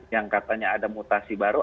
yang katanya ada mutasi baru